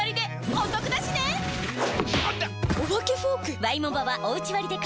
お化けフォーク